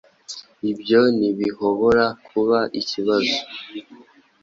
Ibyo ntibihobora kuba ikibazo